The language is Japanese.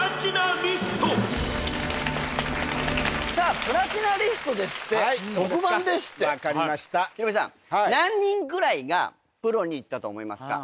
さあプラチナリストですってはいそうですか特番ですって分かりましたヒロミさん何人ぐらいがプロに行ったと思いますか？